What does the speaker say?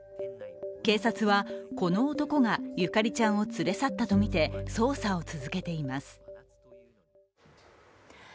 警察はこの男がゆかりちゃん連れ去ったとみて、捜査を続けています。